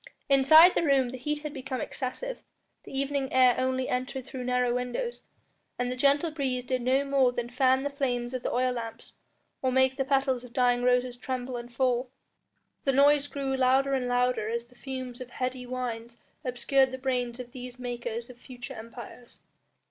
Inside the room the heat had become excessive, the evening air only entered through narrow windows, and the gentle breeze did no more than fan the flames of the oil lamps or make the petals of dying roses tremble and fall. The noise grew louder and louder as the fumes of heady wines obscured the brains of these makers of future empires.